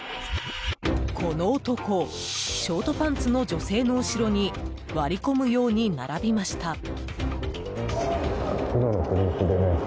この男、ショートパンツの女性の後ろに割り込むように並びました。